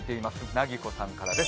なぎこさんからです。